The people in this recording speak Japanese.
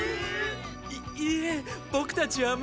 いいえボクたちはもう。